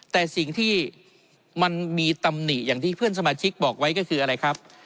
แต่สิ่งที่มันมีตำหนิอย่างที่เพื่อนสมาชิกบอกไว้ก็คืออะไรครับ